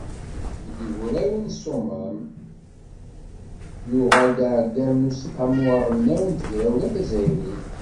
Deg ugraw n Ṣṣumam yuɣal d aɛeggal n Useqqamu Aɣelnaw n Tegrawla Tazzayrit.